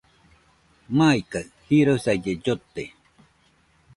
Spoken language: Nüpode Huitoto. Maikaɨ jirosaille llote